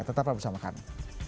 tetap bersama kami